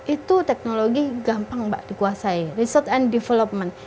itu teknologi gampang mbak dikuasai research and development